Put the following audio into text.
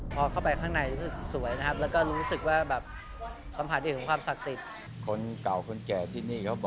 พอเข้าไปข้างในรู้สึกสวยนะครับ